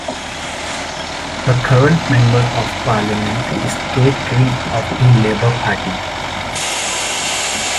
The current Member of Parliament is Kate Green of the Labour Party.